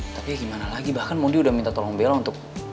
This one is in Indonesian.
tapi ya gimana lagi bahkan mondi udah minta tolong bela untuk